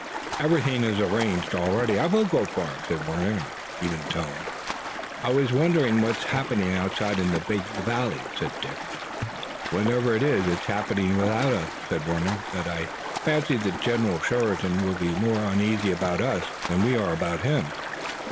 "Everything is arranged already. I will go far," said Warner in even tones. "I wonder what's happening outside in the big valley," said Dick. "Whatever it is it's happening without us," said Warner. "But I fancy that General Sheridan will be more uneasy about us than we are about him.